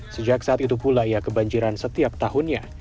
sejak saat itu pula ia kebanjiran setiap tahunnya